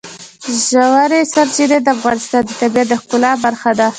ژورې سرچینې د افغانستان د طبیعت د ښکلا برخه ده.